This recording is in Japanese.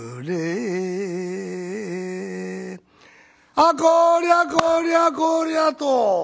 「あっこりゃこりゃこりゃと」